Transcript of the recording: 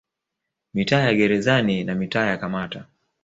Mitaa ya Gerezani na mitaa ya Kamata